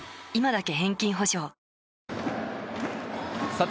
さて